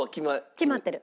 決まってる。